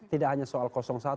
tidak hanya soal satu